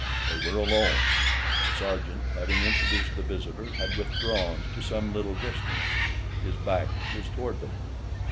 They were alone. The sergeant, having introduced the visitor, had withdrawn to some little distance—his back was toward them.